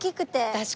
確かに。